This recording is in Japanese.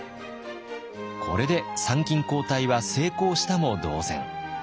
これで参勤交代は成功したも同然。